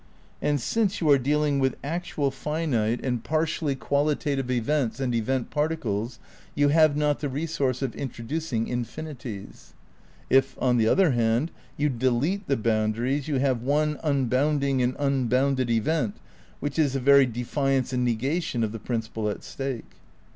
And since you are dealing with actual finite and par ' The Concept of Nature, p. 61. 108 THE NEW IDEALISM in tially qualitative events and event particles you have not the resource of introducing infinities. If, on the other hand, you delete the boundaries you have one un bounding and unbounded event which is the very defi ance and negation of the principle at stake.